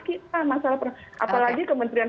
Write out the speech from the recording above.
kita apalagi kementerian